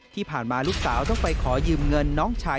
ที่ผ่านมาลูกสาวต้องไปขอยืมเงินน้องชาย